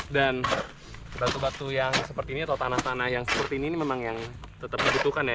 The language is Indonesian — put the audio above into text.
dan batu batu yang seperti ini atau tanah tanah yang seperti ini memang yang tetap dibutuhkan ya